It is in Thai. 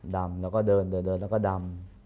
ดำแล้วก็เดินเดินแล้วก็ดำ